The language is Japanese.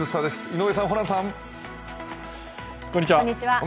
井上さん、ホランさん。